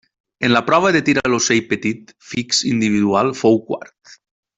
En la prova de tir a l'ocell petit fix individual fou quart.